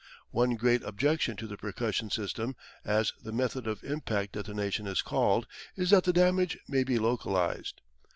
One great objection to the percussion system, as the method of impact detonation is called, is that the damage may be localised.